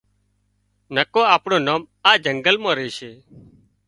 نڪو آپڻون نام آ جنگل مان ريشي